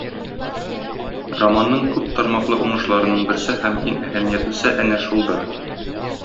Романның күп тармаклы уңышларының берсе һәм иң әһәмиятлесе әнә шулдыр.